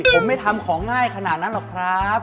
ผมไม่ทำของง่ายขนาดนั้นหรอกครับ